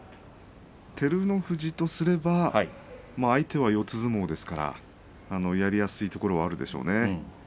照ノ富士とすれば相手は四つ相撲ですからやりやすいところはあるでしょうね。